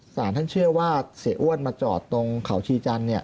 สารท่านเชื่อว่าเสียอ้วนมาจอดตรงเขาชีจันทร์